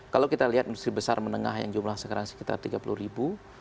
kalau kita lihat industri besar menengah yang jumlah sekarang sekitar tiga puluh ribu